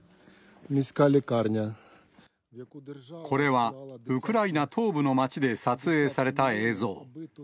これは、ウクライナ東部の街で撮影された映像。